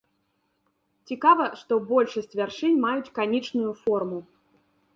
Цікава, што большасць вяршынь маюць канічную форму.